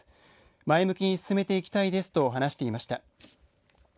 前向きに進めていきたいですと話していました。